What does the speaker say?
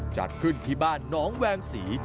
จัดขึ้นที่บ้านน้องแวงศรี